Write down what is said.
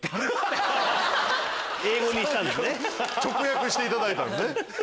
直訳していただいたんですね。